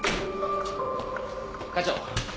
課長。